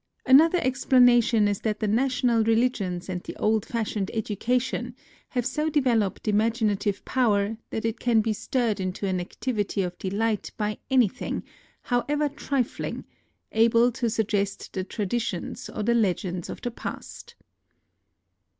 Another explanation is tliat the national religions and the old fashioned education have so developed imaginative power that it can be stirred into an activity of delight by anything, however trifling, able to suggest the traditions or the legends of the past.